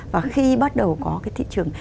và khi bắt đầu có cái thị trường